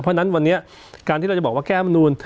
เพราะฉะนั้นวันนี้การที่เราจะบอกว่าแก้มนูล